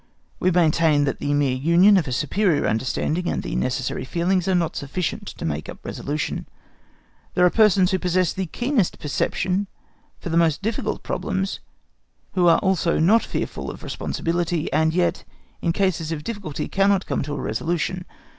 We maintain that the mere union of a superior understanding and the necessary feelings are not sufficient to make up resolution. There are persons who possess the keenest perception for the most difficult problems, who are also not fearful of responsibility, and yet in cases of difficulty cannot come to a resolution.